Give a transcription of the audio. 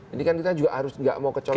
ini kan kita juga harus nggak mau kecolongan